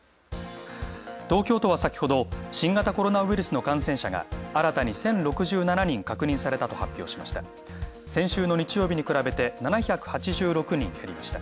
東京都は先ほど、新型コロナウイルスの感染者が新たに１０６７人確認されたと発表しました。